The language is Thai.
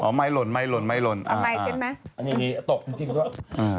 เอาไม้ชิ้นไหมอันนี้ตกจริงแล้ว